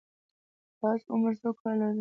ستاسو عمر څو کاله دی؟